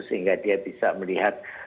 sehingga dia bisa melihat